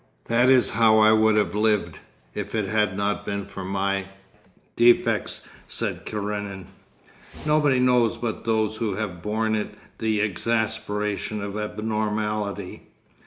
'That is how I would have lived, if it had not been for my—defects,' said Karenin. 'Nobody knows but those who have borne it the exasperation of abnormality.